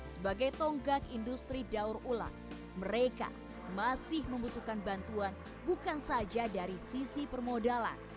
sebagai tonggak industri daur ulang mereka masih membutuhkan bantuan bukan saja dari sisi permodalan